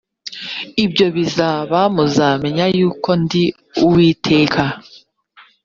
ibyo bizaba muzamenya yuko ndi uwiteka